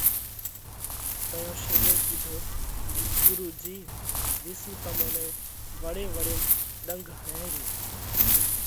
تئيون شيلي ڪِيڌو: ڳرُو جِي وِيسُو تمون نئہ وۯي وۯينَ ڏنڳ هڻئه ريو،